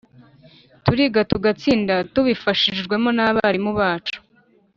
turiga tugatsinda tubifashijwemo n'abarimu bacu.